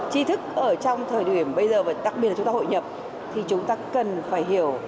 chi thức ở trong thời điểm bây giờ và đặc biệt là chúng ta hội nhập thì chúng ta cần phải hiểu